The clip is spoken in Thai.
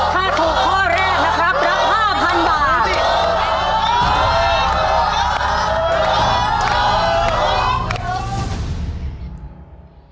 ถ้าถูกข้อแรกนะครับรับ๕๐๐๐บาท